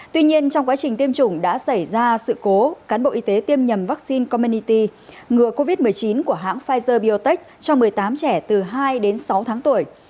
tuy nhiên trong quá trình tiêm chủng đã xảy ra sự cố cán bộ y tế tiêm nhầm vaccine comenity ngừa covid một mươi chín của hãng pfizer biotech cho một mươi tám trẻ từ hai đến sáu tháng tuổi